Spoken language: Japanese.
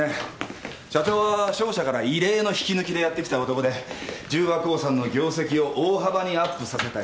社長は商社から異例の引き抜きでやって来た男で十和興産の業績を大幅にアップさせたやり手。